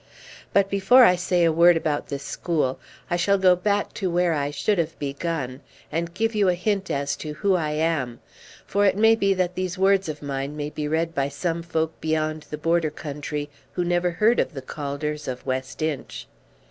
But before I say a word about this school, I shall go back to where I should have begun, and give you a hint as to who I am; for it may be that these words of mine may be read by some folk beyond the border country who never heard of the Calders of West Inch.